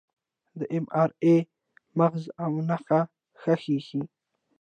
د اېم ار آی مغز او نخاع ښه ښيي.